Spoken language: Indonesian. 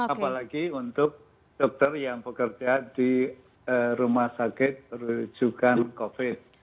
apalagi untuk dokter yang bekerja di rumah sakit rujukan covid